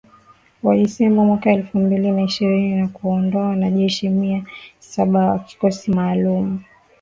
Wa Disemba mwaka elfu mbili na ishirini wa kuwaondoa wanajeshi mia saba wa kikosi maalum.